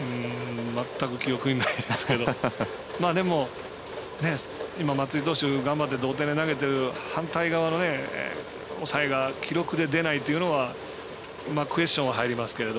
でも今、松井投手が頑張って同点で投げてる反対側の抑えが記録で出ないというのはクエスチョンは入りますけど